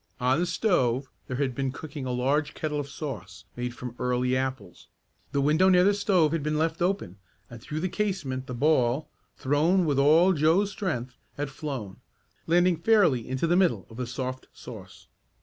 On the stove there had been cooking a large kettle of sauce made from early apples. The window near the stove had been left open and through the casement the ball, thrown with all Joe's strength, had flown, landing fairly into the middle of the soft sauce.